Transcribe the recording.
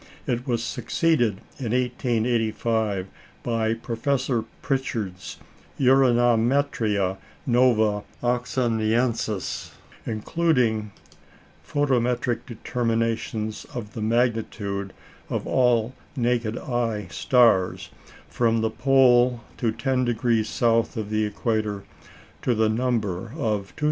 It was succeeded in 1885 by Professor Pritchard's "Uranometria Nova Oxoniensis," including photometric determinations of the magnitude of all naked eye stars, from the pole to ten degrees south of the equator to the number of 2,784.